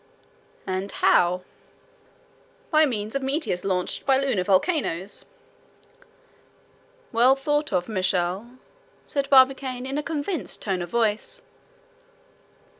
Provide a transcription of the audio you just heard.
"And how?" "By means of meteors launched by lunar volcanoes." "Well thought of, Michel," said Barbicane in a convinced tone of voice.